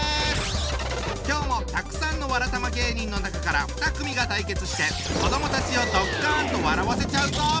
今日もたくさんのわらたま芸人の中から２組が対決して子どもたちをドッカンと笑わせちゃうぞ！